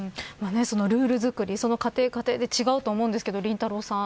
ルール作り、家庭家庭で違うと思いますけどりんたろー。